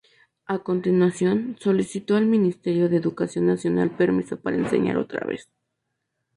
A continuación, solicitó al Ministerio de Educación Nacional permiso para enseñar otra vez.